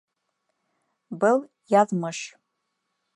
Был-яҙмыш!